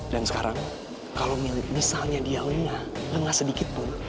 dan sekarang kalau misalnya dia lengah lengah sedikit pun